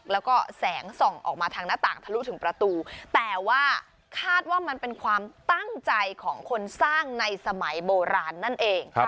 แล้วก็แสงส่องออกมาทางหน้าต่างทะลุถึงประตูแต่ว่าคาดว่ามันเป็นความตั้งใจของคนสร้างในสมัยโบราณนั่นเอง